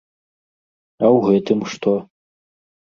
А ў гэтым што?